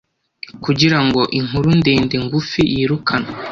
Kugira ngo inkuru ndende ngufi, yirukanwe.